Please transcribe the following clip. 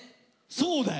そうだよ！